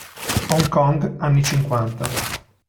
Hong Kong, anni cinquanta.